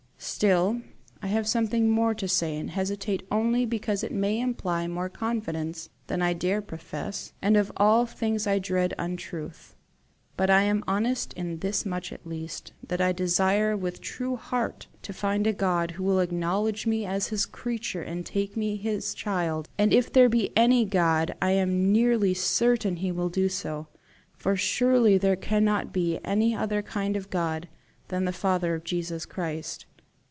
Still I have something more to say, and hesitate only because it may imply more confidence than I dare profess, and of all things I dread untruth. But I am honest in this much at least, that I desire with true heart to find a God who will acknowledge me as his creature and make me his child, and if there be any God I am nearly certain he will do so; for surely there cannot be any other kind of God than the Father of Jesus Christ!